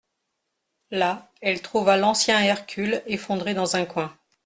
Là, elle trouva l'ancien hercule effondré dans un coin.